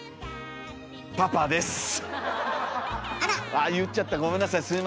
わあ言っちゃったごめんなさい。